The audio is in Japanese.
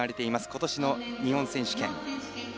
今年の日本選手権。